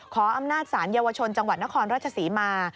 ขออำนาจศาลเยาวชนจังหวัดนครราชศรีมา